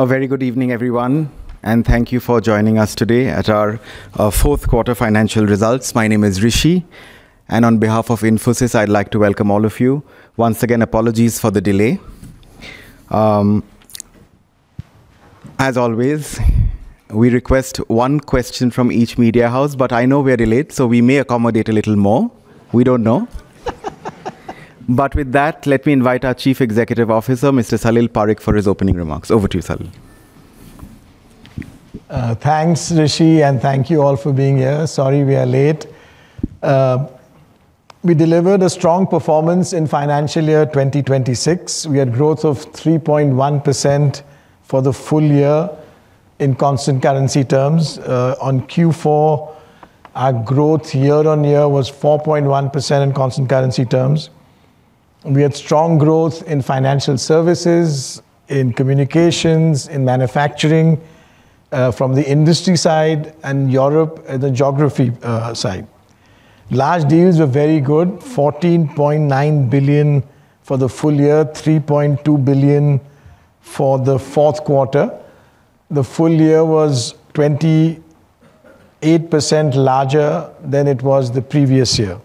A very good evening, everyone, and thank you for joining us today at our fourth quarter financial results. My name is Rishi, and on behalf of Infosys, I'd like to welcome all of you. Once again, apologies for the delay. As always, we request one question from each media house, but I know we are late, so we may accommodate a little more. We don't know. With that, let me invite our Chief Executive Officer, Mr. Salil Parekh, for his opening remarks. Over to you, Salil. Thanks, Rishi, and thank you all for being here. Sorry we are late. We delivered a strong performance in financial year 2026. We had growth of 3.1% for the full year in constant currency terms. On Q4, our growth year-on-year was 4.1% in constant currency terms. We had strong growth in financial services, in communications, in manufacturing, from the industry side and Europe, the geography side. Large deals were very good, $14.9 billion for the full year, $3.2 billion for the fourth quarter. The full year was 28% larger than it was the previous year.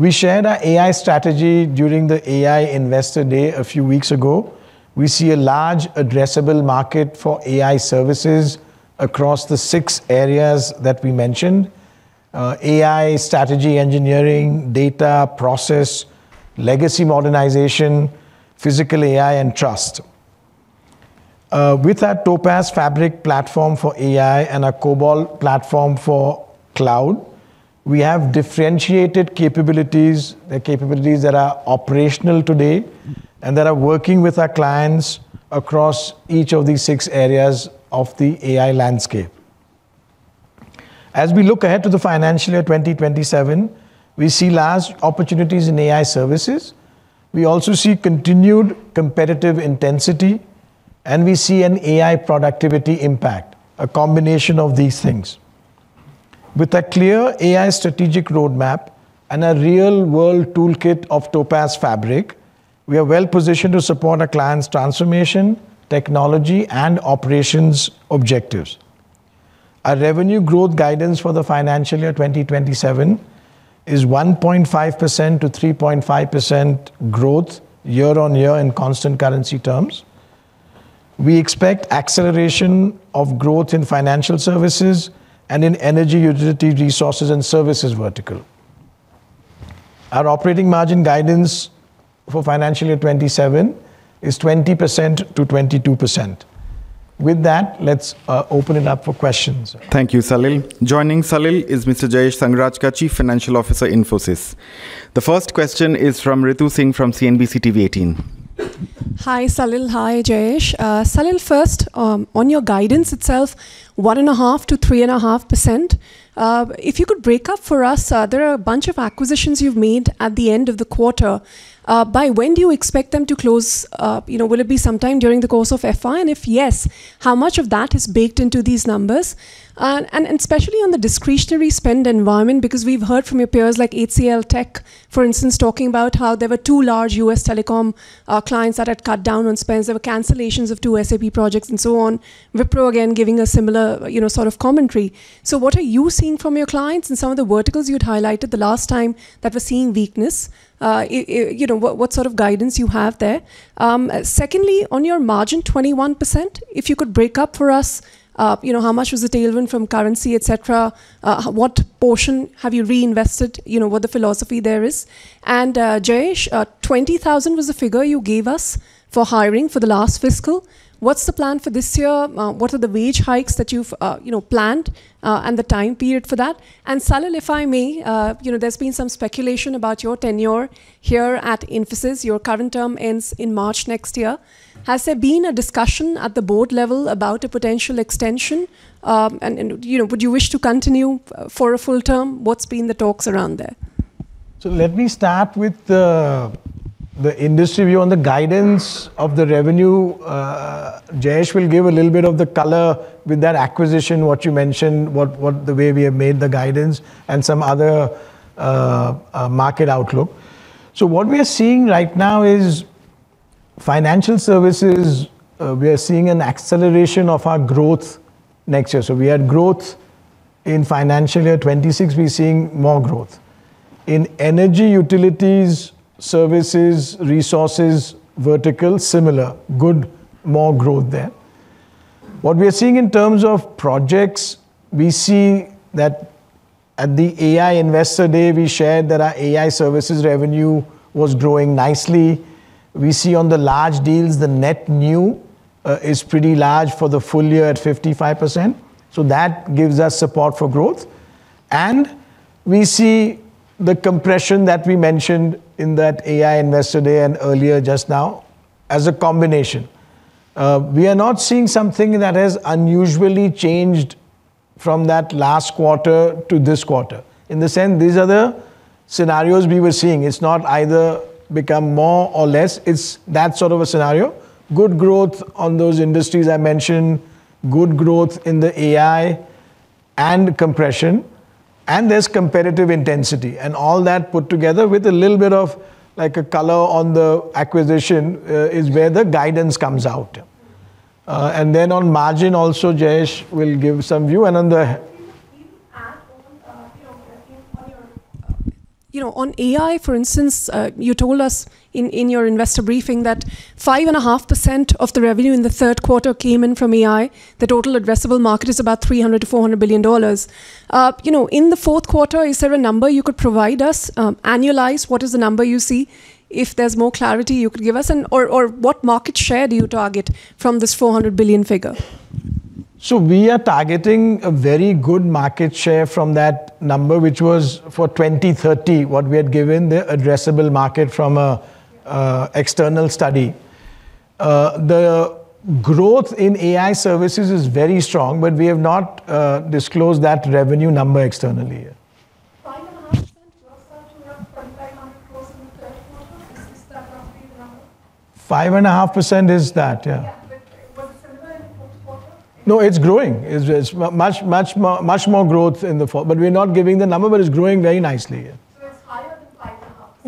We shared our AI strategy during the AI Investor Day a few weeks ago. We see a large addressable market for AI services across the six areas that we mentioned. AI strategy, engineering, data, process, legacy modernization, physical AI, and trust. With our Topaz Fabric platform for AI and our Cobalt platform for cloud, we have differentiated capabilities, the capabilities that are operational today, and that are working with our clients across each of these six areas of the AI landscape. As we look ahead to the financial year 2027, we see large opportunities in AI services. We also see continued competitive intensity, and we see an AI productivity impact, a combination of these things. With a clear AI strategic roadmap and a real-world toolkit of Topaz Fabric, we are well positioned to support our clients' transformation, technology, and operations objectives. Our revenue growth guidance for the financial year 2027 is 1.5%-3.5% growth year-on-year in constant currency terms. We expect acceleration of growth in financial services and in energy utility resources and services vertical. Our operating margin guidance for financial year 2027 is 20%-22%. With that, let's open it up for questions. Thank you, Salil. Joining Salil is Mr. Jayesh Sanghrajka, Chief Financial Officer, Infosys. The first question is from Ritu Singh from CNBC-TV18. Hi, Salil. Hi, Jayesh. Salil, first, on your guidance itself, 1.5%-3.5%. If you could break up for us, there are a bunch of acquisitions you've made at the end of the quarter. By when do you expect them to close? Will it be sometime during the course of FY? And if yes, how much of that is baked into these numbers? And especially on the discretionary spend environment, because we've heard from your peers like HCLTech, for instance, talking about how there were two large U.S. telecom clients that had cut down on spends. There were cancellations of two SAP projects and so on. Wipro, again, giving a similar sort of commentary. What are you seeing from your clients in some of the verticals you'd highlighted the last time that were seeing weakness? What sort of guidance you have there? Secondly, on your margin, 21%, if you could break down for us, how much was the tailwind from currency, et cetera? What portion have you reinvested? What the philosophy there is. Jayesh, 20,000 was the figure you gave us for hiring for the last fiscal. What's the plan for this year? What are the wage hikes that you've planned, and the time period for that? Salil, if I may, there's been some speculation about your tenure here at Infosys. Your current term ends in March next year. Has there been a discussion at the board level about a potential extension? Would you wish to continue for a full term? What's been the talks around there? Let me start with the industry view on the guidance of the revenue. Jayesh will give a little bit of the color with that acquisition, what you mentioned, the way we have made the guidance and some other market outlook. What we are seeing right now is financial services. We are seeing an acceleration of our growth next year. We had growth in financial year 2026. We're seeing more growth. In energy, utilities, services, resources vertical, similar. Good. More growth there. What we are seeing in terms of projects, we see that at the AI Investor Day, we shared that our AI services revenue was growing nicely. We see on the large deals, the net new is pretty large for the full year at 55%. That gives us support for growth. We see the compression that we mentioned in that AI Investor Day and earlier just now, as a combination. We are not seeing something that has unusually changed from that last quarter to this quarter. In the sense, these are the scenarios we were seeing. It's not either become more or less. It's that sort of a scenario. Good growth on those industries I mentioned, good growth in the AI and compression, and there's competitive intensity. All that put together with a little bit of a color on the acquisition is where the guidance comes out. Then on margin also, Jayesh will give some view. On the- Can you add on AI for instance, you told us in your investor briefing that 5.5% of the revenue in the third quarter came in from AI. The total addressable market is about $300 billion-$400 billion. In the fourth quarter, is there a number you could provide us? Annualized, what is the number you see? If there's more clarity you could give us, or what market share do you target from this $400 billion figure? We are targeting a very good market share from that number, which was for 2030, what we had given the addressable market from an external study. The growth in AI services is very strong, but we have not disclosed that revenue number externally. 5.5% gross margin of 2,500 gross in the third quarter. Is this roughly the number? 5.5% is that, yeah. Yeah. Was it similar in the fourth quarter? No, it's growing. Much more growth in the fourth. We're not giving the number, but it's growing very nicely, yeah. It's higher than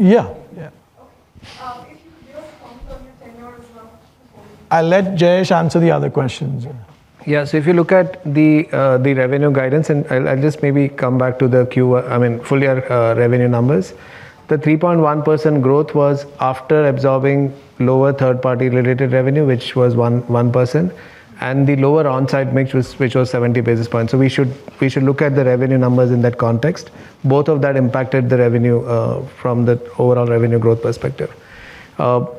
5.5%? Yeah. Okay. If you could comment on your tenure as well. I'll let Jayesh answer the other questions. Yeah. If you look at the revenue guidance, and I'll just maybe come back to the full-year revenue numbers. The 3.1% growth was after absorbing lower third-party related revenue, which was 1%. The lower on-site mix which was 70 basis points. We should look at the revenue numbers in that context. Both of that impacted the revenue, from the overall revenue growth perspective.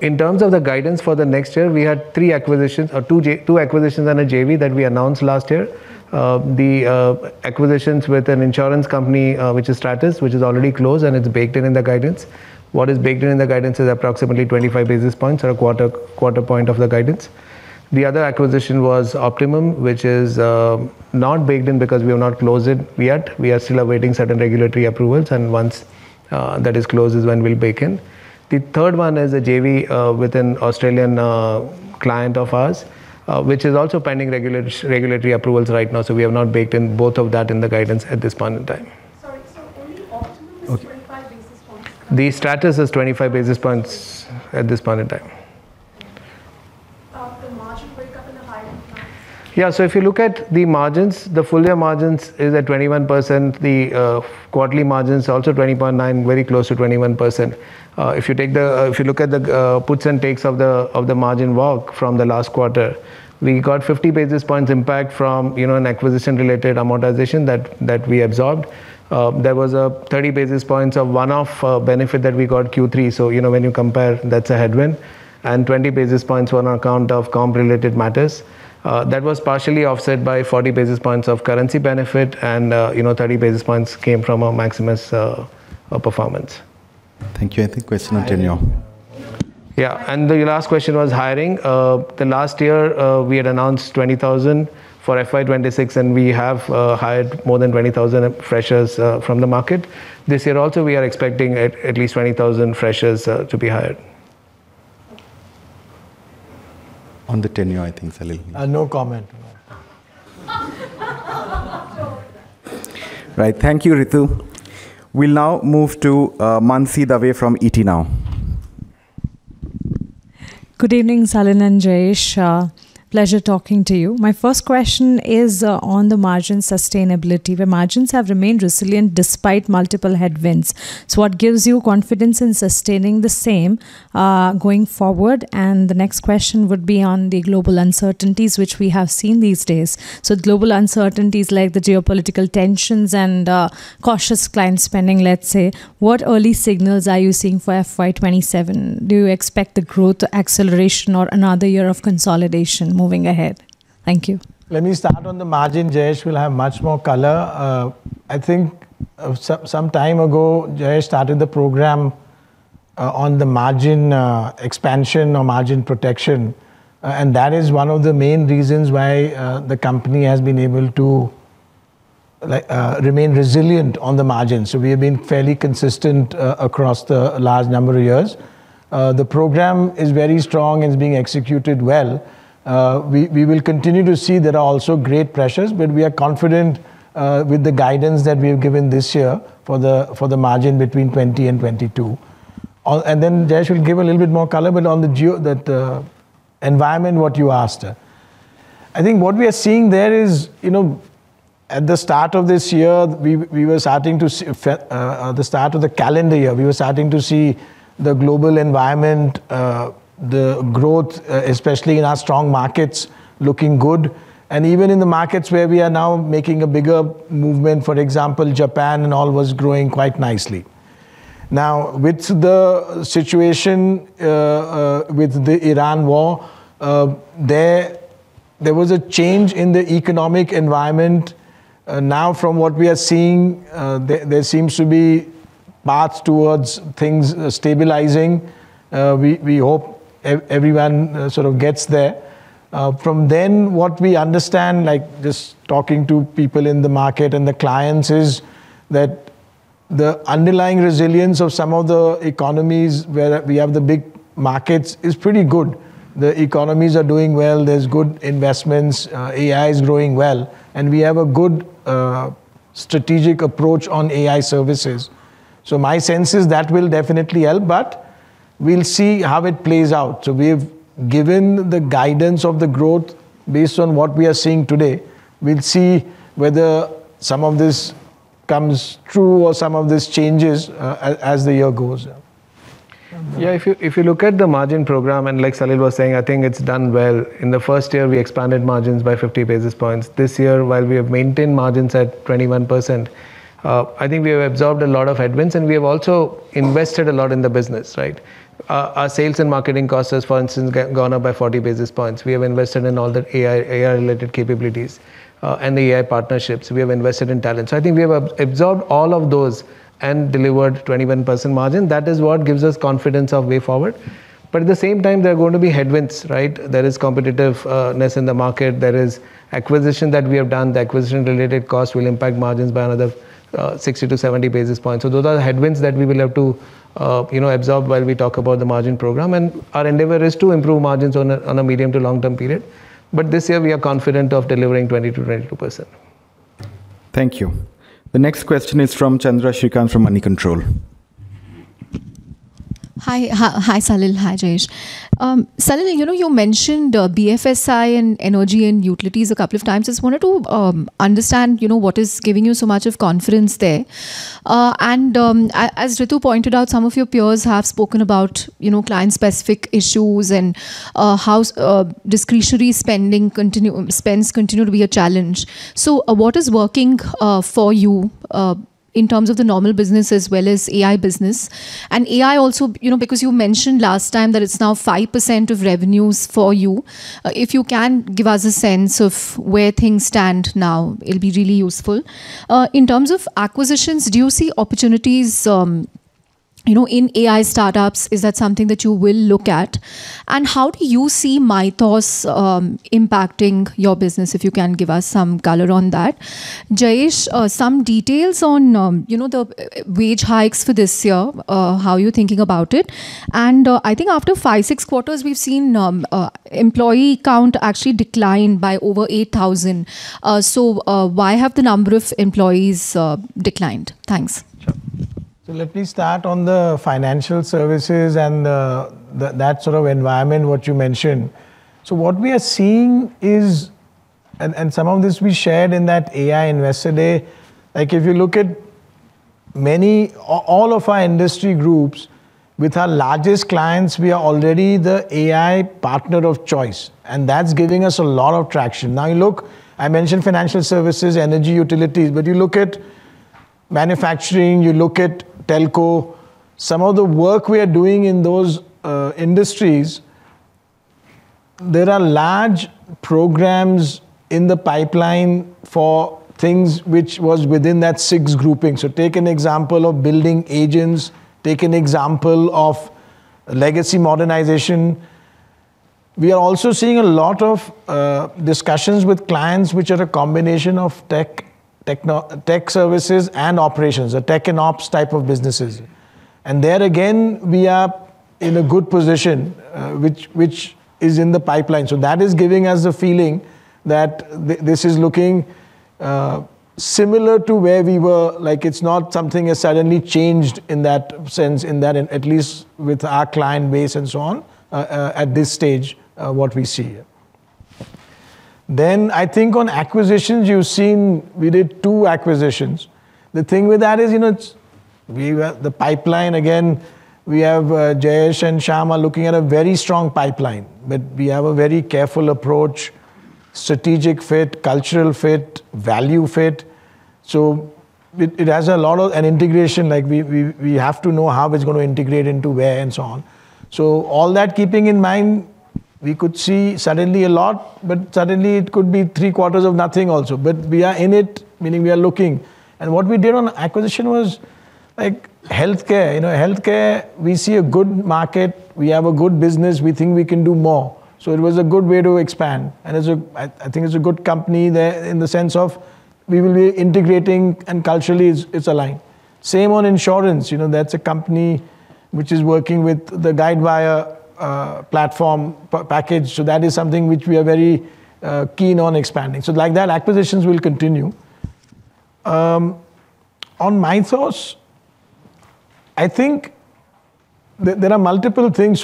In terms of the guidance for the next year, we had two acquisitions and a JV that we announced last year. The acquisitions with an insurance company, which is Stratus, which is already closed and it's baked in the guidance. What is baked in the guidance is approximately 25 basis points or a quarter point of the guidance. The other acquisition was Optimum, which is not baked in because we have not closed it yet. We are still awaiting certain regulatory approvals, and once that is closed is when we'll bake in. The third one is a JV with an Australian client of ours, which is also pending regulatory approvals right now. We have not baked in both of that in the guidance at this point in time. Sorry. Only Optimum is 25 basis points? The Stratus is 25 basis points at this point in time. Of the margin breakup and the hiring plans. Yeah. If you look at the margins, the full year margins is at 21%. The quarterly margin is also 20.9%, very close to 21%. If you look at the puts and takes of the margin work from the last quarter, we got 50 basis points impact from an acquisition related amortization that we absorbed. There was a 30 basis points of one-off benefit that we got Q3. When you compare, that's a headwind. 20 basis points were on account of comp related matters. That was partially offset by 40 basis points of currency benefit and 30 basis points came from our Maximus performance. Thank you. I think question on tenure. Yeah. The last question was hiring. The last year, we had announced 20,000 for FY 2026, and we have hired more than 20,000 freshers from the market. This year also, we are expecting at least 20,000 freshers to be hired. On the tenure, I think, Salil. No comment. Sure. Right. Thank you, Ritu. We'll now move to Mansee Dave from ET Now. Good evening, Salil, and Jayesh. Pleasure talking to you. My first question is on the margin sustainability, where margins have remained resilient despite multiple headwinds. What gives you confidence in sustaining the same going forward? And the next question would be on the global uncertainties, which we have seen these days. Global uncertainties, like the geopolitical tensions and cautious client spending, let's say. What early signals are you seeing for FY 2027? Do you expect the growth acceleration or another year of consolidation moving ahead? Thank you. Let me start on the margin. Jayesh will have much more color. I think some time ago, Jayesh started the program on the margin expansion or margin protection. That is one of the main reasons why the company has been able to remain resilient on the margin. We have been fairly consistent across the large number of years. The program is very strong and is being executed well. We will continue to see there are also great pressures, but we are confident with the guidance that we have given this year for the margin between 20%-22%. Then Jayesh will give a little bit more color, but on the environment, what you asked. I think what we are seeing there is, at the start of the calendar year, we were starting to see the global environment, the growth, especially in our strong markets, looking good. Even in the markets where we are now making a bigger movement. For example, Japan and all was growing quite nicely. Now with the situation with the Iran war, there was a change in the economic environment. Now from what we are seeing, there seems to be paths towards things stabilizing. We hope everyone sort of gets there. From then, what we understand, just talking to people in the market and the clients, is that the underlying resilience of some of the economies where we have the big markets is pretty good. The economies are doing well. There's good investments. AI is growing well, and we have a good strategic approach on AI services. My sense is that will definitely help, but we'll see how it plays out. We've given the guidance of the growth based on what we are seeing today. We'll see whether some of this comes true or some of this changes as the year goes. Yeah, if you look at the margin program, and like Salil was saying, I think it's done well. In the first year, we expanded margins by 50 basis points. This year, while we have maintained margins at 21%, I think we have absorbed a lot of headwinds, and we have also invested a lot in the business, right? Our sales and marketing costs has, for instance, gone up by 40 basis points. We have invested in all the AI-related capabilities, and the AI partnerships. We have invested in talent. I think we have absorbed all of those and delivered 21% margin. That is what gives us confidence of way forward. At the same time, there are going to be headwinds, right? There is competitiveness in the market. There is acquisition that we have done. The acquisition-related cost will impact margins by another 60-70 basis points. Those are the headwinds that we will have to absorb while we talk about the margin program. Our endeavor is to improve margins on a medium- to long-term period. This year, we are confident of delivering 20%-22%. Thank you. The next question is from Chandra Srikanth from Moneycontrol. Hi, Salil. Hi, Jayesh. Salil, you mentioned BFSI and energy and utilities a couple of times. Just wanted to understand what is giving you so much of confidence there. As Ritu pointed out, some of your peers have spoken about client-specific issues and how discretionary spends continue to be a challenge. What is working for you, in terms of the normal business as well as AI business? AI also, because you mentioned last time that it's now 5% of revenues for you. If you can give us a sense of where things stand now, it'll be really useful. In terms of acquisitions, do you see opportunities in AI startups? Is that something that you will look at? How do you see Mythos impacting your business? If you can give us some color on that. Jayesh, some details on the wage hikes for this year. How are you thinking about it? I think after five, six quarters, we've seen employee count actually decline by over 8,000. Why have the number of employees declined? Thanks. Sure. Let me start on the financial services and that sort of environment, what you mentioned. What we are seeing is some of this we shared in that AI Investor Day. If you look at all of our industry groups, with our largest clients, we are already the AI partner of choice, and that's giving us a lot of traction. Now you look. I mentioned financial services, energy, utilities, but you look at manufacturing, you look at telco. Some of the work we are doing in those industries, there are large programs in the pipeline for things which was within that six grouping. Take an example of building agents. Take an example of legacy modernization. We are also seeing a lot of discussions with clients which are a combination of tech services and operations, the Tech and Ops type of businesses. There again, we are in a good position which is in the pipeline. That is giving us a feeling that this is looking similar to where we were. It's not something has suddenly changed in that sense, at least with our client base and so on, at this stage, what we see. I think on acquisitions, you've seen we did two acquisitions. The thing with that is the pipeline, again, we have Jayesh and Shyam are looking at a very strong pipeline. We have a very careful approach. Strategic fit, cultural fit, value fit. It has a lot of an integration. We have to know how it's going to integrate into where and so on. All that keeping in mind, we could see suddenly a lot, but suddenly it could be three quarters of nothing also. We are in it, meaning we are looking. What we did on acquisition was like healthcare. Healthcare, we see a good market. We have a good business. We think we can do more. It was a good way to expand. I think it's a good company there in the sense of we will be integrating and culturally it's aligned. Same on insurance. That's a company which is working with the Guidewire platform package. That is something which we are very keen on expanding. Like that, acquisitions will continue. On Mythos, I think there are multiple things.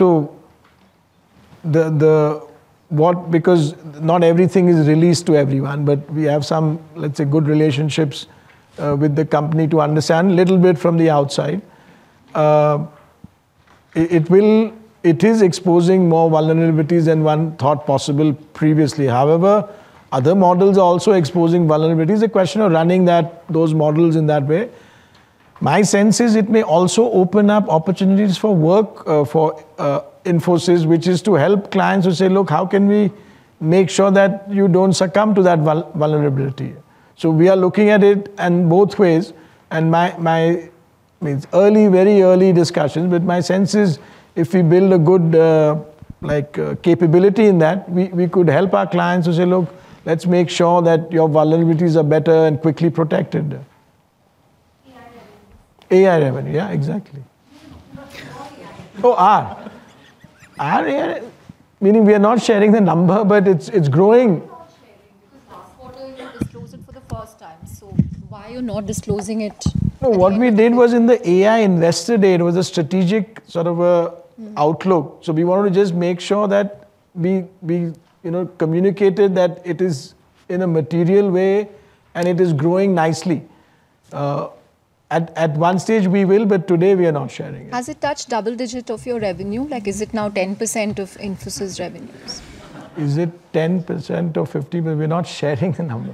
Because not everything is released to everyone, but we have some, let's say, good relationships with the company to understand a little bit from the outside. It is exposing more vulnerabilities than one thought possible previously. However, other models are also exposing vulnerabilities. A question of running those models in that way. My sense is it may also open up opportunities for work for Infosys, which is to help clients who say, "Look, how can we make sure that you don't succumb to that vulnerability?" We are looking at it in both ways, and it's early, very early discussions. My sense is, if we build a good capability in that, we could help our clients who say, "Look, let's make sure that your vulnerabilities are better and quickly protected. AI revenue. AI revenue. Yeah, exactly. Not the whole AI revenue. Meaning we are not sharing the number, but it's growing. You are not sharing because last quarter you disclosed it for the first time, so why are you not disclosing it again this time? No, what we did was in the AI Investor Day, it was a strategic sort of outlook. We want to just make sure that we communicated that it is in a material way and it is growing nicely. At one stage we will, but today we are not sharing it. Has it touched double-digit of your revenue? Like, is it now 10% of Infosys revenues? Is it 10% or 15%? We're not sharing the number.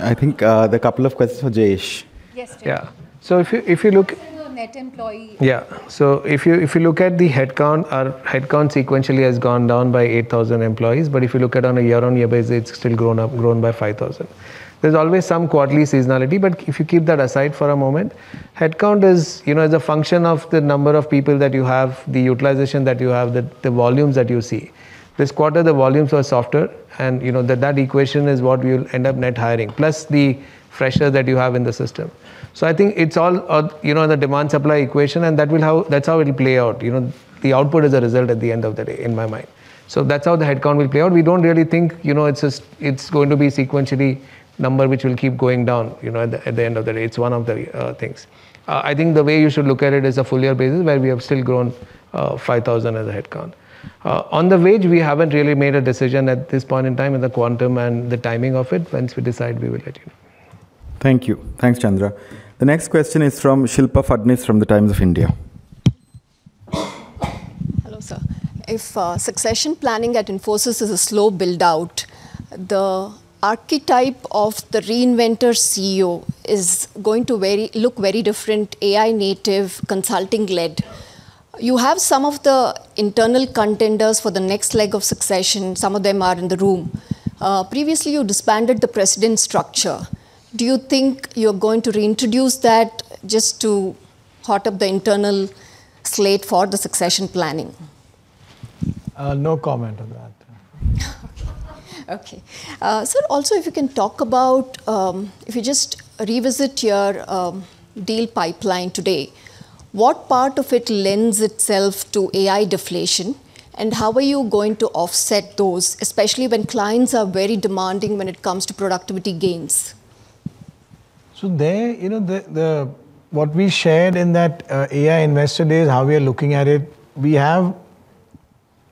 I think there are a couple of questions for Jayesh. Yes, Jayesh. Yeah. If you look What's the net employee? Yeah. If you look at the headcount, our headcount sequentially has gone down by 8,000 employees. If you look at on a year-on-year basis, it's still grown by 5,000. There's always some quarterly seasonality, but if you keep that aside for a moment, headcount is a function of the number of people that you have, the utilization that you have, the volumes that you see. This quarter, the volumes were softer and that equation is what we'll end up net hiring, plus the freshers that you have in the system. I think it's all on the demand-supply equation, and that's how it'll play out. The output is a result at the end of the day, in my mind. That's how the headcount will play out. We don't really think it's going to be a sequential number which will keep going down at the end of the day. It's one of the things. I think the way you should look at it is a full year basis, where we have still grown 5,000 as a headcount. On the wage, we haven't really made a decision at this point in time on the quantum and the timing of it. Once we decide, we will let you know. Thank you. Thanks, Chandra. The next question is from Shilpa Phadnis from The Times of India. Hello, sir. If succession planning at Infosys is a slow build-out, the archetype of the reinventor CEO is going to look very different, AI native, consulting led. You have some of the internal contenders for the next leg of succession. Some of them are in the room. Previously, you disbanded the precedent structure. Do you think you're going to reintroduce that just to hot up the internal slate for the succession planning? No comment on that. Okay. Sir, also if you can talk about, if you just revisit your deal pipeline today, what part of it lends itself to AI deflation, and how are you going to offset those, especially when clients are very demanding when it comes to productivity gains? There, what we shared in that AI Investor Day is how we are looking at it. We have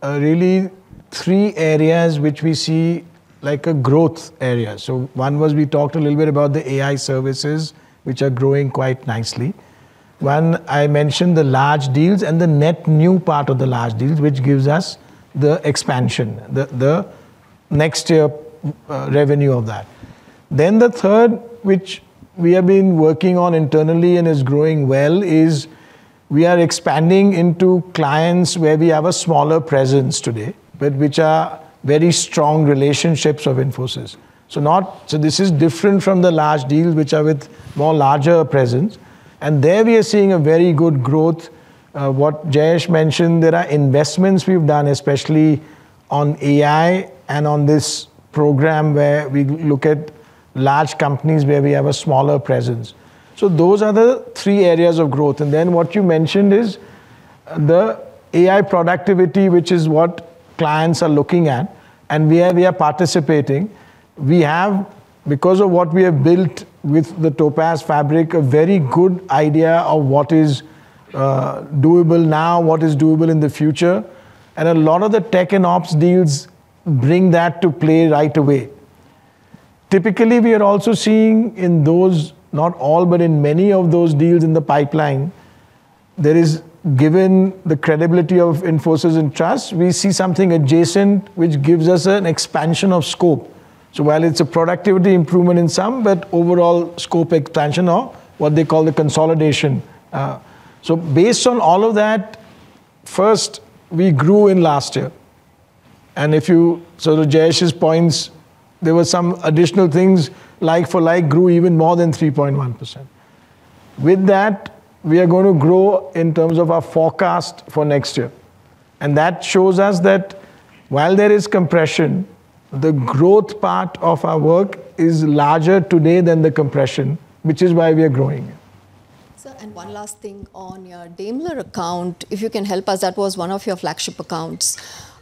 really three areas which we see like a growth area. One was we talked a little bit about the AI services, which are growing quite nicely. One, I mentioned the large deals and the net new part of the large deals, which gives us the expansion, the next year revenue of that. The third, which we have been working on internally and is growing well, is we are expanding into clients where we have a smaller presence today, but which are very strong relationships of Infosys. This is different from the large deals which are with more larger presence. There we are seeing a very good growth. What Jayesh mentioned, there are investments we've done, especially on AI and on this program where we look at large companies where we have a smaller presence. Those are the three areas of growth. What you mentioned is the AI productivity, which is what clients are looking at, and where we are participating. We have, because of what we have built with the Topaz Fabric, a very good idea of what is doable now, what is doable in the future, and a lot of the Tech and Ops deals bring that to play right away. Typically, we are also seeing in those, not all, but in many of those deals in the pipeline, there is, given the credibility of Infosys and trust, we see something adjacent which gives us an expansion of scope. While it's a productivity improvement in some, but overall scope expansion or what they call the consolidation. Based on all of that, first, we grew in last year. To Jayesh's points, there were some additional things, like for like grew even more than 3.1%. With that, we are going to grow in terms of our forecast for next year. That shows us that while there is compression, the growth part of our work is larger today than the compression, which is why we are growing. Sir, and one last thing on your Daimler account, if you can help us. That was one of your flagship accounts.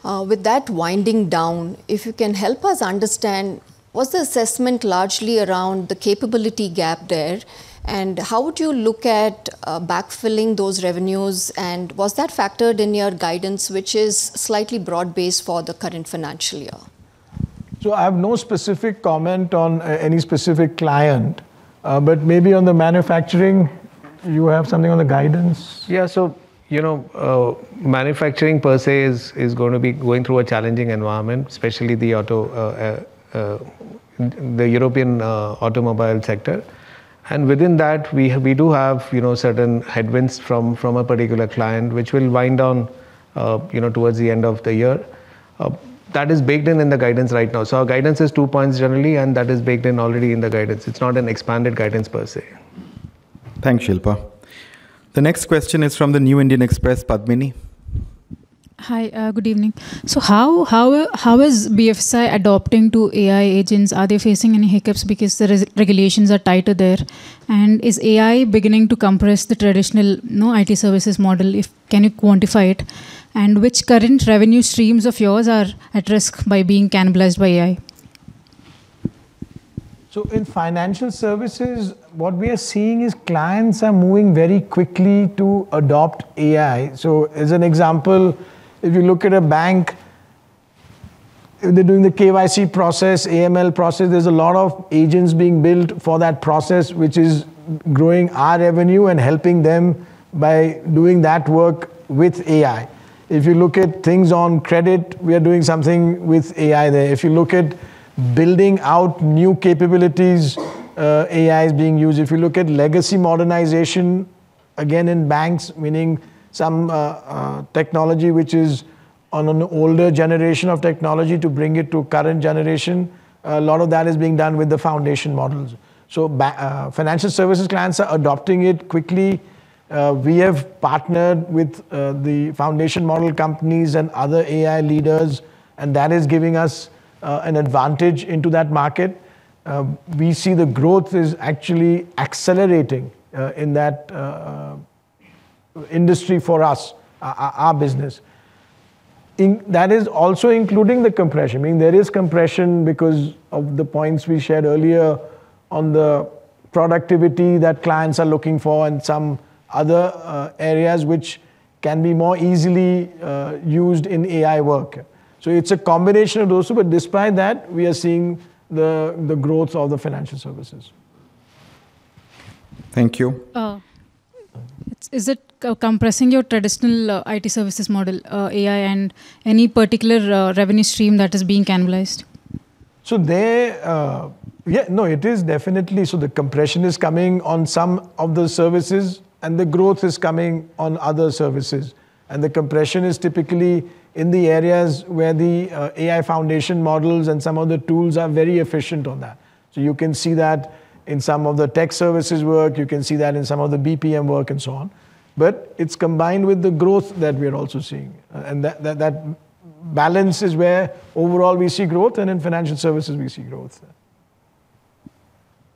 With that winding down, if you can help us understand what's the assessment largely around the capability gap there, and how would you look at backfilling those revenues, and was that factored in your guidance, which is slightly broad-based for the current financial year? I have no specific comment on any specific client. Maybe on the manufacturing, do you have something on the guidance? Yeah. Manufacturing per se is going to be going through a challenging environment, especially the European automobile sector. Within that, we do have certain headwinds from a particular client which will wind down towards the end of the year. That is baked in the guidance right now. Our guidance is 2 points generally, and that is baked in already in the guidance. It's not an expanded guidance per se. Thanks, Shilpa. The next question is from The New Indian Express, Padmini. Hi, good evening. How is BFSI adapting to AI agents? Are they facing any hiccups because the regulations are tighter there? Is AI beginning to compress the traditional IT services model? Can you quantify it? Which current revenue streams of yours are at risk by being cannibalized by AI? In financial services, what we are seeing is clients are moving very quickly to adopt AI. As an example, if you look at a bank, they're doing the KYC process, AML process. There's a lot of agents being built for that process, which is growing our revenue and helping them by doing that work with AI. If you look at things on credit, we are doing something with AI there. If you look at building out new capabilities, AI is being used. If you look at legacy modernization, again in banks, meaning some technology which is on an older generation of technology to bring it to current generation. A lot of that is being done with the foundation models. Financial services clients are adopting it quickly. We have partnered with the foundation model companies and other AI leaders, and that is giving us an advantage into that market. We see the growth is actually accelerating in that industry for us, our business. That is also including the compression. There is compression because of the points we shared earlier on the productivity that clients are looking for and some other areas which can be more easily used in AI work. It's a combination of those two. Despite that, we are seeing the growth of the financial services. Thank you. Is it compressing your traditional IT services model, AI, and any particular revenue stream that is being cannibalized? No, it is definitely. The compression is coming on some of the services, and the growth is coming on other services. The compression is typically in the areas where the AI foundation models and some of the tools are very efficient on that. You can see that in some of the tech services work, you can see that in some of the BPM work and so on. It's combined with the growth that we are also seeing, and that balance is where overall we see growth, and in financial services, we see growth there.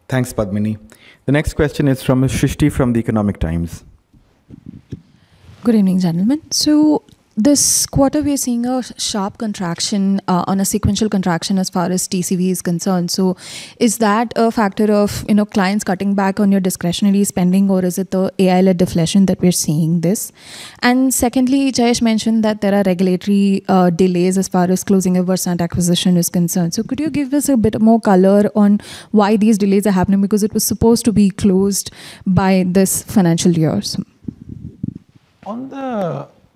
Thanks, Padmini. The next question is from Shrishti from The Economic Times. Good evening, gentlemen. This quarter, we're seeing a sharp contraction on a sequential contraction as far as TCV is concerned. Is that a factor of clients cutting back on your discretionary spending, or is it the AI-led deflation that we're seeing this? Secondly, Jayesh mentioned that there are regulatory delays as far as closing a Versent acquisition is concerned. Could you give us a bit more color on why these delays are happening? Because it was supposed to be closed by this financial year.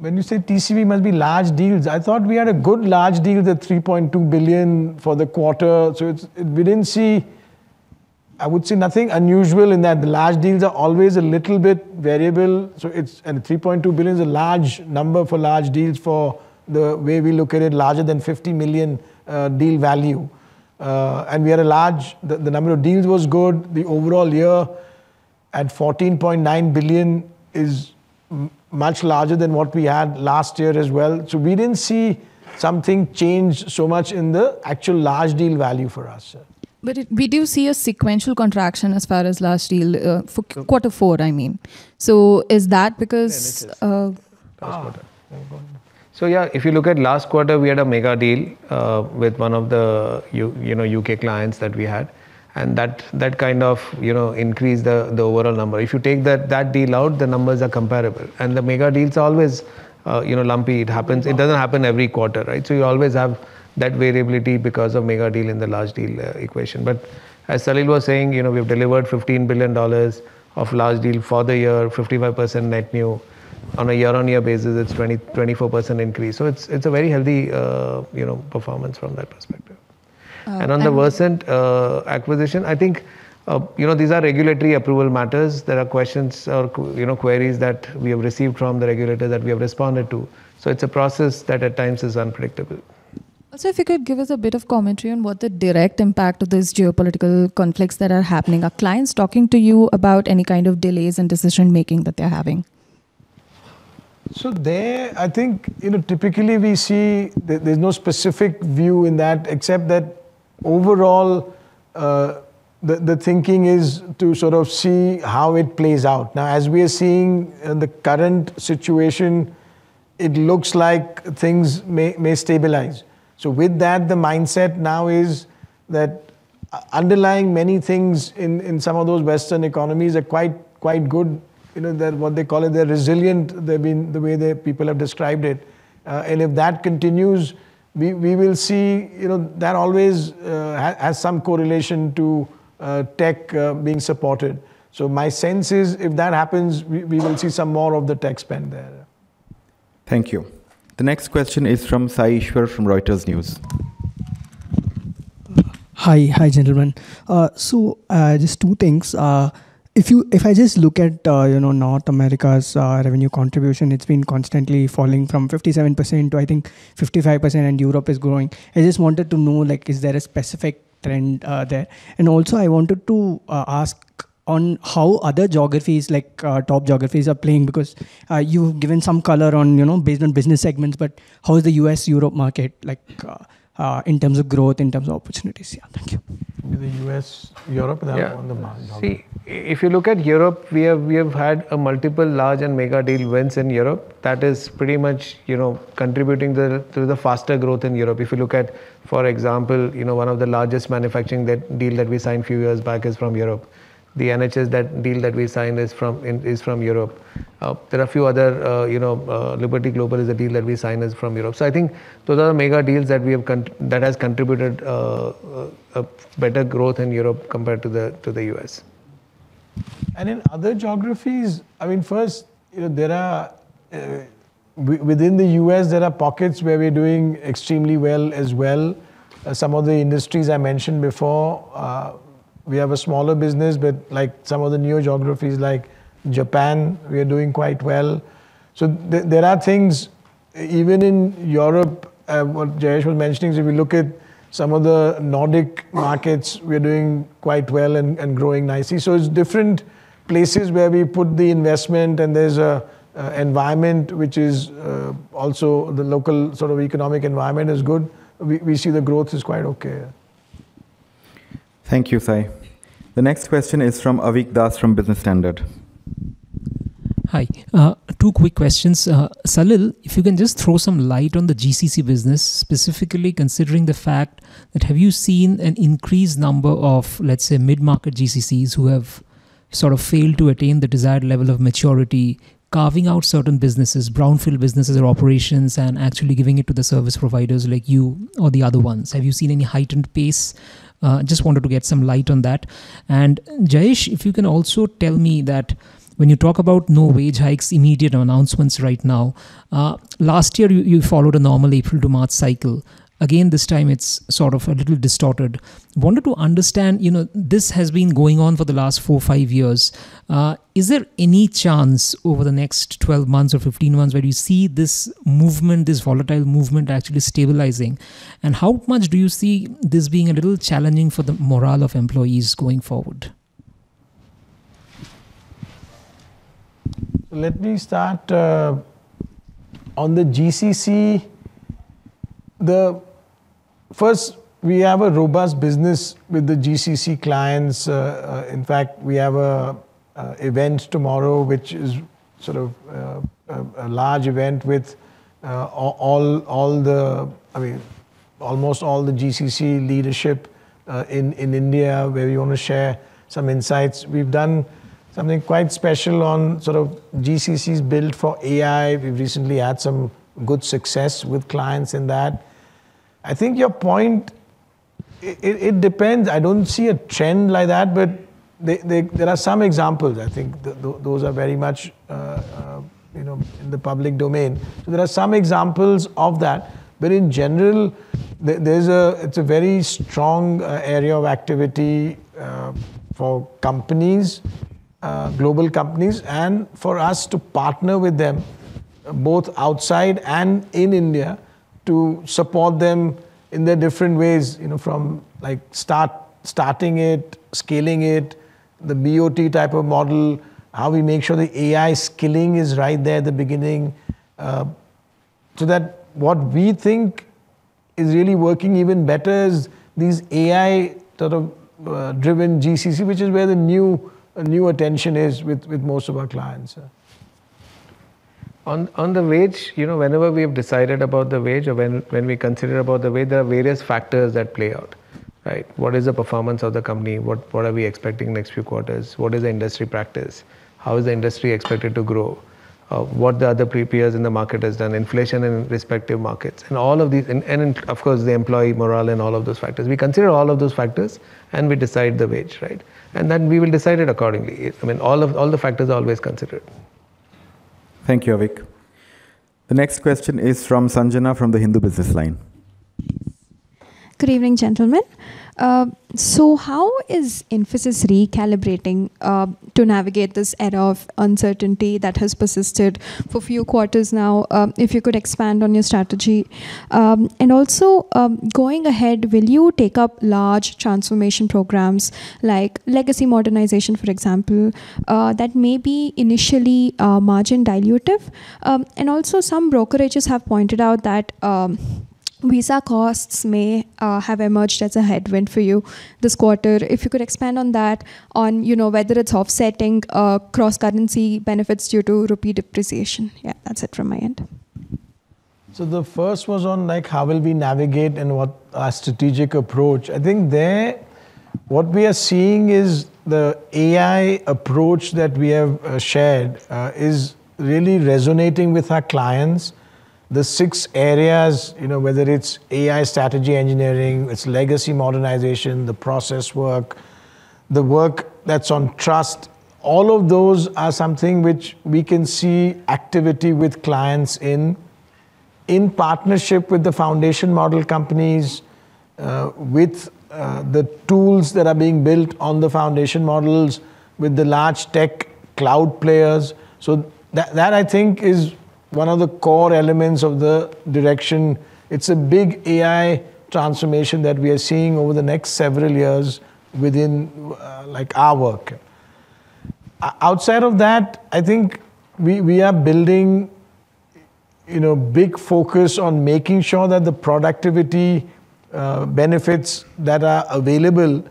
When you say TCV, must be large deals. I thought we had a good large deal, the $3.2 billion for the quarter. We didn't see, I would say nothing unusual in that. The large deals are always a little bit variable, and $3.2 billion is a large number for large deals for the way we look at it, larger than $50 million deal value. The number of deals was good. The overall year at $14.9 billion is much larger than what we had last year as well. We didn't see something change so much in the actual large deal value for us. We do see a sequential contraction as far as large deal for quarter four, I mean. Is that because of? Yeah, it is. Last quarter. Yeah, if you look at last quarter, we had a mega deal with one of the U.K. clients that we had, and that kind of increased the overall number. If you take that deal out, the numbers are comparable. The mega deals always lumpy. It happens. It doesn't happen every quarter, right? You always have that variability because of mega deal in the large deal equation. As Salil was saying, we've delivered $15 billion of large deal for the year, 55% net new. On a year-on-year basis, it's 24% increase. It's a very healthy performance from that perspective. Oh, and the- On the Versent acquisition, I think these are regulatory approval matters. There are questions or queries that we have received from the regulator that we have responded to. It's a process that at times is unpredictable. Also, if you could give us a bit of commentary on what the direct impact of these geopolitical conflicts that are happening? Are clients talking to you about any kind of delays in decision-making that they're having? There, I think, typically we see there's no specific view in that, except that overall, the thinking is to sort of see how it plays out. Now, as we are seeing in the current situation, it looks like things may stabilize. With that, the mindset now is that underlying many things in some of those Western economies are quite good. What they call it? They're resilient, the way the people have described it. If that continues, we will see that always has some correlation to tech being supported. My sense is, if that happens, we will see some more of the tech spend there. Thank you. The next question is from Sai Ishwar from Reuters News. Hi. Hi, gentlemen. Just two things. If I just look at North America's revenue contribution, it's been constantly falling from 57%-55%, and Europe is growing. I just wanted to know, is there a specific trend there? Also, I wanted to ask On how other geographies, like top geographies, are playing because you've given some color based on business segments, but how is the U.S., Europe market in terms of growth, in terms of opportunities? Yeah, thank you. The U.S., Europe on the- Yeah. See, if you look at Europe, we have had multiple large and mega deal wins in Europe. That is pretty much contributing to the faster growth in Europe. If you look at, for example, one of the largest manufacturing deal that we signed a few years back is from Europe. The NHS deal that we signed is from Europe. There are a few others. Liberty Global is a deal that we signed from Europe. So I think those are mega deals that have contributed a better growth in Europe compared to the U.S. In other geographies, first, within the U.S., there are pockets where we're doing extremely well as well. Some of the industries I mentioned before. We have a smaller business but some of the newer geographies, like Japan, we are doing quite well. There are things even in Europe, what Jayesh was mentioning, if you look at some of the Nordic markets, we are doing quite well and growing nicely. It's different places where we put the investment, and there's an environment which is also the local economic environment is good. We see the growth is quite okay. Thank you, Sai. The next question is from Avik Das from Business Standard. Hi. Two quick questions. Salil, if you can just throw some light on the GCC business, specifically considering the fact that have you seen an increased number of, let's say, mid-market GCCs who have sort of failed to attain the desired level of maturity, carving out certain businesses, brownfield businesses or operations, and actually giving it to the service providers like you or the other ones. Have you seen any heightened pace. Just wanted to get some light on that. Jayesh, if you can also tell me that when you talk about no wage hikes, immediate announcements right now. Last year, you followed a normal April to March cycle. Again, this time it's sort of a little distorted. Wanted to understand, this has been going on for the last four, five years. Is there any chance over the next 12 months or 15 months where you see this movement, this volatile movement, actually stabilizing? How much do you see this being a little challenging for the morale of employees going forward? Let me start. On the GCC, first, we have a robust business with the GCC clients. In fact, we have an event tomorrow, which is sort of a large event with almost all the GCC leadership in India where we want to share some insights. We've done something quite special on sort of GCCs built for AI. We've recently had some good success with clients in that. I think your point, it depends. I don't see a trend like that, but there are some examples, I think. Those are very much in the public domain. There are some examples of that. In general, it's a very strong area of activity for companies, global companies, and for us to partner with them, both outside and in India, to support them in their different ways from starting it, scaling it, the BOT type of model, how we make sure the AI skilling is right there at the beginning. So that what we think is really working even better is these AI sort of driven GCC, which is where the new attention is with most of our clients. On the wage, whenever we have decided about the wage or when we consider about the wage, there are various factors that play out. Right? What is the performance of the company? What are we expecting next few quarters? What is the industry practice? How is the industry expected to grow? What the other peers in the market has done. Inflation in respective markets. And all of these, and of course, the employee morale and all of those factors. We consider all of those factors, and we decide the wage, right? And then we will decide it accordingly. All the factors are always considered. Thank you, Avik. The next question is from Sanjana B from The Hindu Business Line. Good evening, gentlemen. How is Infosys recalibrating to navigate this air of uncertainty that has persisted for a few quarters now? If you could expand on your strategy. Also, going ahead, will you take up large transformation programs like legacy modernization, for example, that may be initially margin dilutive? Also, some brokerages have pointed out that visa costs may have emerged as a headwind for you this quarter. If you could expand on that, on whether it's offsetting cross-currency benefits due to rupee depreciation. Yeah, that's it from my end. The first was on how will we navigate and what our strategic approach. I think there, what we are seeing is the AI approach that we have shared is really resonating with our clients. The six areas, whether it's AI strategy engineering, it's legacy modernization, the process work, the work that's on trust. All of those are something which we can see activity with clients in partnership with the foundation model companies, with the tools that are being built on the foundation models, with the large tech cloud players. That, I think, is one of the core elements of the direction, it's a big AI transformation that we are seeing over the next several years within our work. Outside of that, I think we are building big focus on making sure that the productivity benefits that are available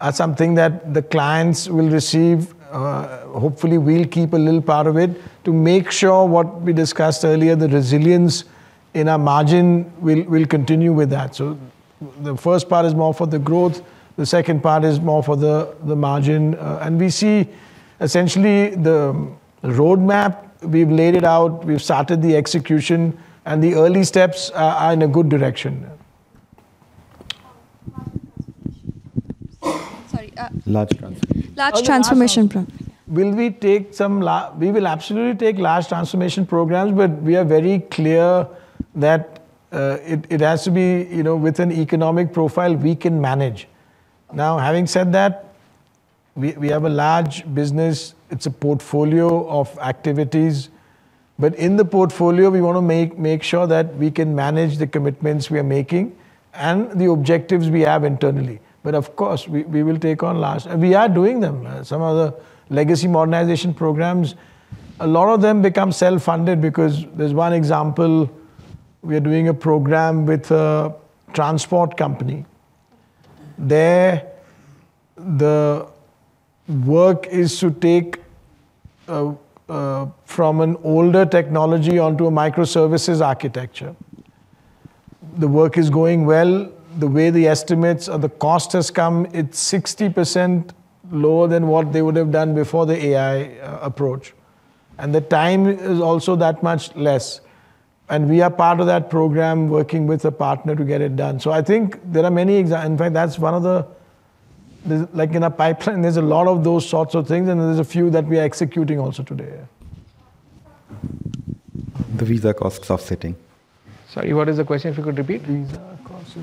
are something that the clients will receive. Hopefully, we'll keep a little part of it to make sure what we discussed earlier, the resilience in our margin will continue with that. So the first part is more for the growth, the second part is more for the margin. We see essentially the roadmap. We've laid it out, we've started the execution, and the early steps are in a good direction. Large transformation. Sorry. Large transformation. Large transformation program. We will absolutely take large transformation programs, but we are very clear that it has to be with an economic profile we can manage. Now, having said that, we have a large business. It's a portfolio of activities. In the portfolio, we want to make sure that we can manage the commitments we are making and the objectives we have internally. Of course, we will take on large. We are doing them. Some of the legacy modernization programs, a lot of them become self-funded because there's one example, we are doing a program with a transport company. There, the work is to take from an older technology onto a microservices architecture. The work is going well. The way the estimates or the cost has come, it's 60% lower than what they would have done before the AI approach. The time is also that much less. We are part of that program, working with a partner to get it done. I think there are many. In fact, that's one of the things in our pipeline. There's a lot of those sorts of things, and there's a few that we are executing also today. The visa costs offsetting. Sorry, what is the question? If you could repeat. Visa costs.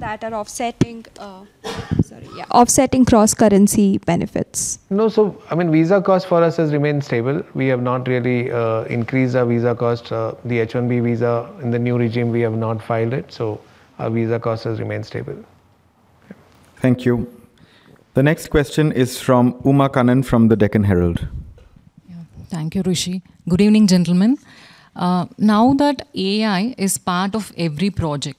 Some costs have emerged as a headwind that are offsetting cross-currency benefits. No. Visa cost for us has remained stable. We have not really increased our visa cost. The H1B visa in the new regime, we have not filed it, so our visa cost has remained stable. Thank you. The next question is from Uma Kannan from The Deccan Herald. Yeah. Thank you, Rishi. Good evening, gentlemen. Now that AI is part of every project,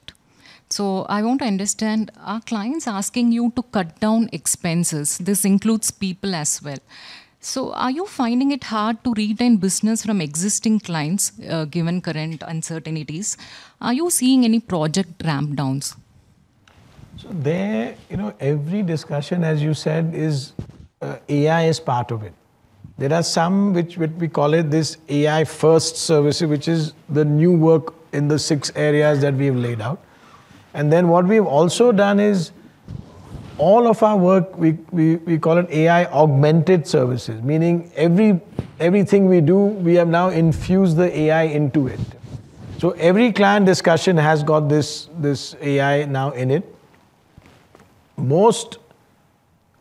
so I want to understand, are clients asking you to cut down expenses? This includes people as well. Are you finding it hard to retain business from existing clients, given current uncertainties? Are you seeing any project ramp downs? There, every discussion, as you said, is AI is part of it. There are some which we call it this AI first services, which is the new work in the six areas that we've laid out. What we've also done is all of our work, we call it AI augmented services, meaning everything we do, we have now infused the AI into it. Every client discussion has got this AI now in it.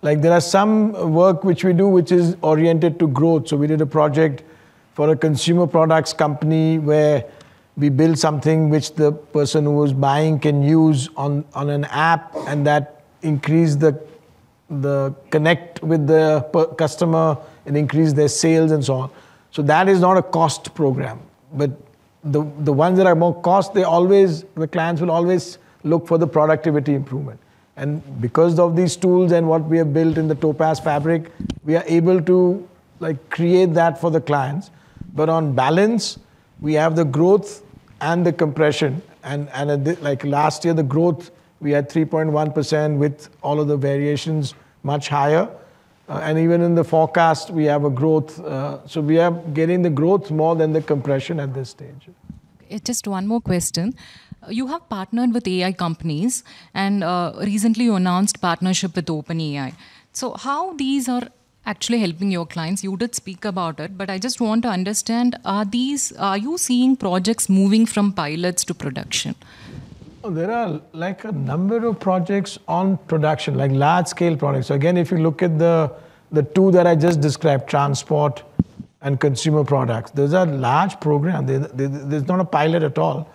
There are some work which we do, which is oriented to growth. We did a project for a consumer products company where we build something which the person who is buying can use on an app, and that increased the connect with the customer and increased their sales and so on. That is not a cost program. The ones that are more cost, the clients will always look for the productivity improvement. Because of these tools and what we have built in the Topaz Fabric, we are able to create that for the clients. On balance, we have the growth and the compression. Like last year, the growth, we had 3.1% with all of the variations much higher. Even in the forecast, we have a growth. We are getting the growth more than the compression at this stage. Just one more question. You have partnered with AI companies, and recently you announced partnership with OpenAI. How these are actually helping your clients? You did speak about it, but I just want to understand, are you seeing projects moving from pilots to production? Oh, there are a number of projects on production, like large scale projects. Again, if you look at the two that I just described, transport and consumer products, those are large programs. There's not a pilot at all.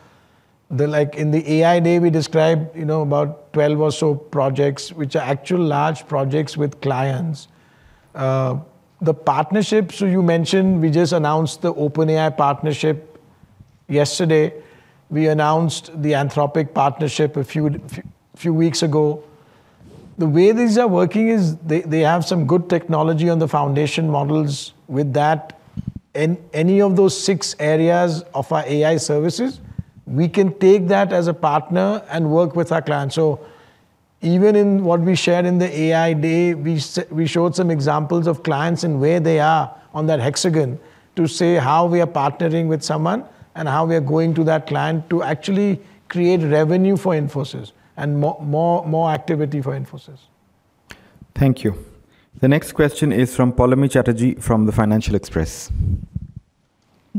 In the AI Day we described about 12 or so projects, which are actual large projects with clients. The partnerships you mentioned, we just announced the OpenAI partnership yesterday. We announced the Anthropic partnership a few weeks ago. The way these are working is they have some good technology on the foundation models with that. In any of those six areas of our AI services, we can take that as a partner and work with our clients. Even in what we shared in the AI Day, we showed some examples of clients and where they are on that hexagon to say how we are partnering with someone and how we are going to that client to actually create revenue for Infosys and more activity for Infosys. Thank you. The next question is from Poulomi Chatterjee from The Financial Express.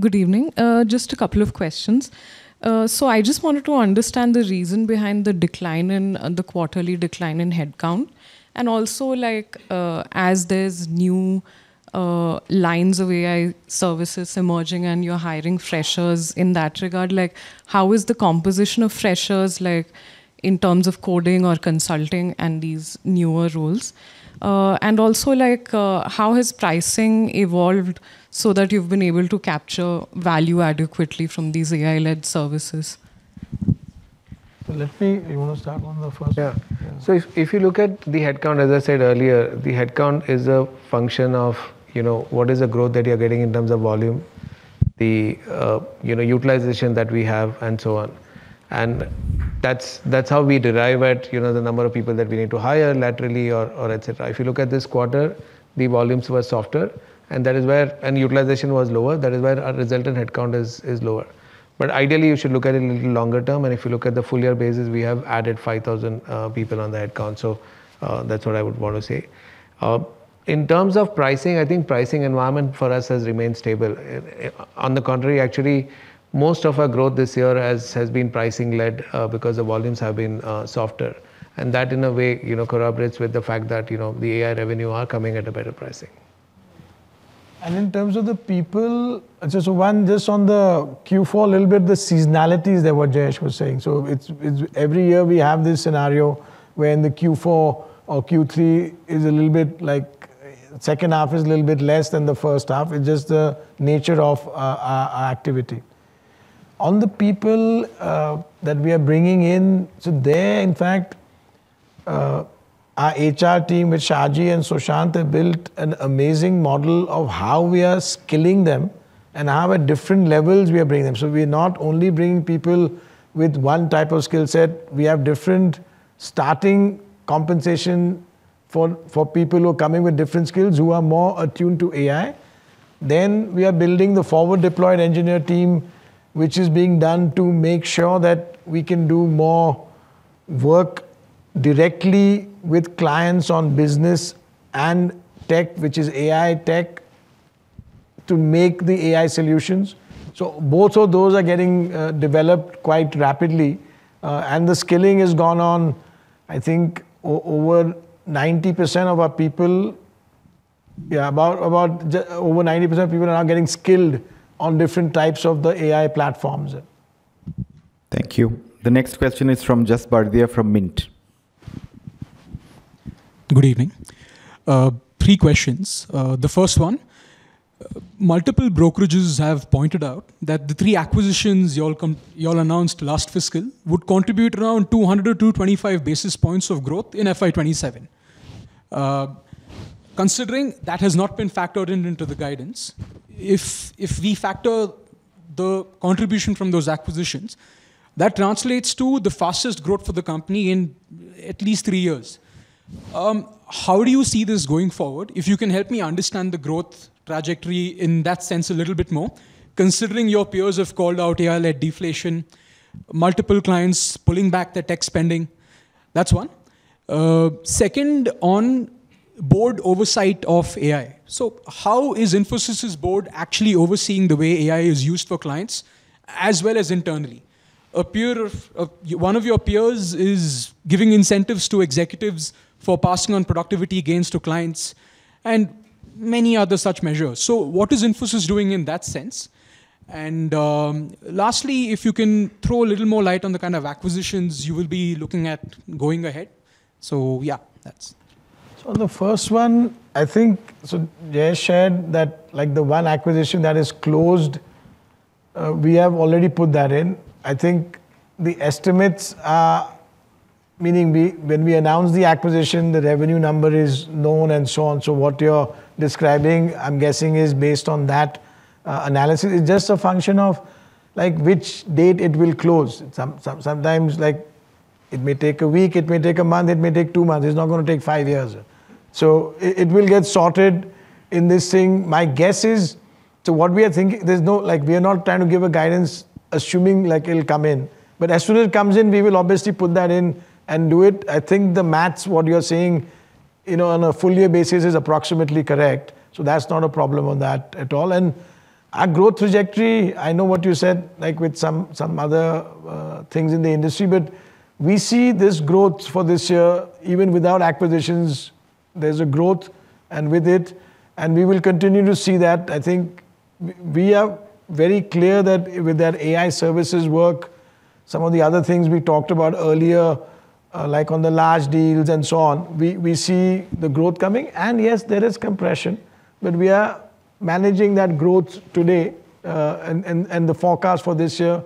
Good evening. Just a couple of questions. I just wanted to understand the reason behind the quarterly decline in head count. Also, as there's new lines of AI services emerging and you're hiring freshers in that regard, how is the composition of freshers in terms of coding or consulting and these newer roles? Also, how has pricing evolved so that you've been able to capture value adequately from these AI-led services? You want to start on the first? Yeah. If you look at the head count, as I said earlier, the head count is a function of what is the growth that you're getting in terms of volume, the utilization that we have and so on. That's how we derive it, the number of people that we need to hire laterally or et cetera. If you look at this quarter, the volumes were softer and utilization was lower, that is why our resultant head count is lower. Ideally you should look at it in longer term. If you look at the full year basis, we have added 5,000 people on the head count. That's what I would want to say. In terms of pricing, I think pricing environment for us has remained stable. On the contrary, actually, most of our growth this year has been pricing-led because the volumes have been softer. That in a way corroborates with the fact that the AI revenue are coming at a better pricing. In terms of the people, just one, just on the Q4, a little bit the seasonality is there what Jayesh was saying. Every year we have this scenario where in the Q4 or Q3, second half is a little bit less than the first half. It's just the nature of our activity. On the people that we are bringing in, so there, in fact, our HR team with Shaji and Sushant have built an amazing model of how we are skilling them and how at different levels we are bringing them. We are not only bringing people with one type of skill set. We have different starting compensation for people who are coming with different skills who are more attuned to AI. We are building the forward deployed engineer team, which is being done to make sure that we can do more work directly with clients on business and tech, which is AI tech, to make the AI solutions. Both of those are getting developed quite rapidly. The skilling has gone on, I think over 90% of our people are now getting skilled on different types of the AI platforms. Thank you. The next question is from Jas Bardia from Mint. Good evening. Three questions. The first one, multiple brokerages have pointed out that the three acquisitions you all announced last fiscal would contribute around 200 or 225 basis points of growth in FY 2027. Considering that has not been factored in into the guidance, if we factor the contribution from those acquisitions, that translates to the fastest growth for the company in at least three years. How do you see this going forward? If you can help me understand the growth trajectory in that sense a little bit more, considering your peers have called out AI-led deflation, multiple clients pulling back their tech spending. That's one. Second, on board oversight of AI. How is Infosys' board actually overseeing the way AI is used for clients as well as internally? One of your peers is giving incentives to executives for passing on productivity gains to clients and many other such measures. What is Infosys doing in that sense? Lastly, if you can throw a little more light on the kind of acquisitions you will be looking at going ahead. Yeah, that's. On the first one, I think, so Jayesh shared that, the one acquisition that is closed, we have already put that in. I think the estimates are. Meaning, when we announce the acquisition, the revenue number is known and so on. What you're describing, I'm guessing, is based on that analysis. It's just a function of which date it will close. Sometimes it may take a week, it may take a month, it may take two months. It's not going to take five years. It will get sorted in this thing. My guess is to what we are thinking, we are not trying to give a guidance assuming it'll come in. But as soon as it comes in, we will obviously put that in and do it. I think the math, what you're saying, on a full year basis is approximately correct. That's not a problem on that at all. Our growth trajectory, I know what you said, like with some other things in the industry, but we see this growth for this year, even without acquisitions, there's a growth and with it. We will continue to see that. I think we are very clear that with that AI services work, some of the other things we talked about earlier, like on the large deals and so on, we see the growth coming. Yes, there is compression, but we are managing that growth today. The forecast for this year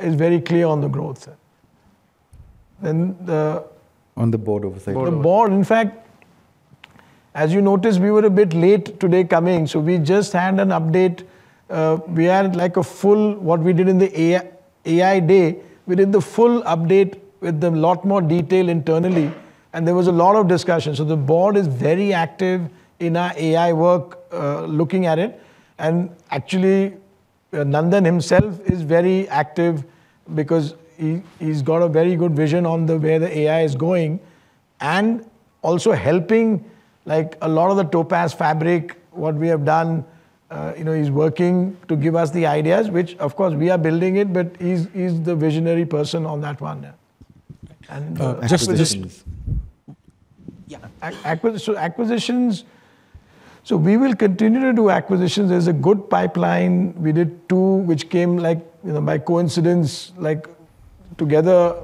is very clear on the growth. The- On the board oversight... the board, in fact, as you noticed, we were a bit late today coming, so we just had an update. We had a full what we did in the AI day. We did the full update with a lot more detail internally, and there was a lot of discussion. The board is very active in our AI work, looking at it. Actually, Nandan himself is very active because he's got a very good vision on the way the AI is going. Also helping, like a lot of the Topaz Fabric, what we have done, is working to give us the ideas, which of course we are building it, but he's the visionary person on that one. And just- Yeah. Acquisitions. We will continue to do acquisitions. There's a good pipeline. We did two, which came by coincidence together.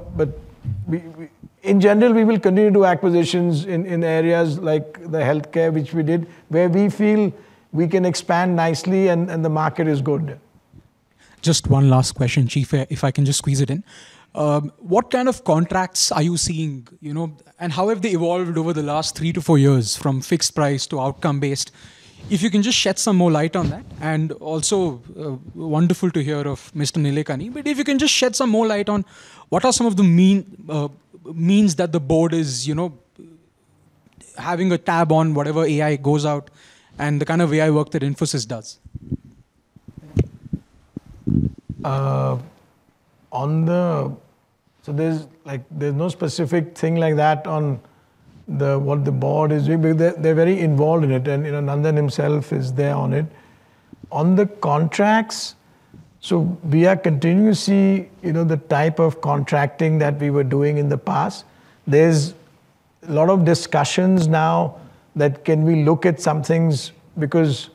In general, we will continue to do acquisitions in areas like the healthcare, which we did, where we feel we can expand nicely and the market is good. Just one last question, Chief, if I can just squeeze it in. What kind of contracts are you seeing? You know, and how have they evolved over the last three to four years from fixed price to outcome-based? If you can just shed some more light on that. Also, wonderful to hear of Mr. Nilekani, but if you can just shed some more light on what are some of the means that the board is keeping tabs on whatever AI goes out and the kind of AI work that Infosys does. There's no specific thing like that on what the board is. They're very involved in it, and Nandan himself is there on it. On the contracts, we are continuing to see the type of contracting that we were doing in the past. There's a lot of discussions now that can we look at some things because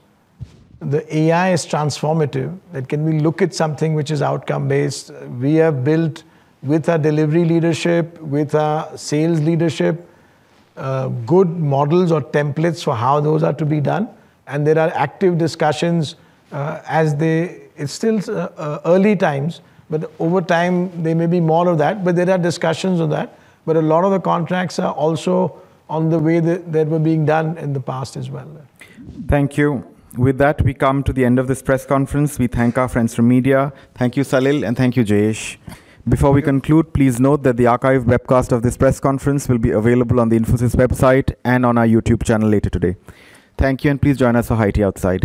the AI is transformative, that can we look at something which is outcome based. We have built with our delivery leadership, with our sales leadership, good models or templates for how those are to be done, and there are active discussions, as it's still early times, but over time, there may be more of that. There are discussions on that. A lot of the contracts are also on the way that were being done in the past as well. Thank you. With that, we come to the end of this press conference. We thank our friends from media. Thank you, Salil, and thank you, Jayesh. Before we conclude, please note that the archive webcast of this press conference will be available on the Infosys website and on our YouTube channel later today. Thank you, and please join us for high tea outside.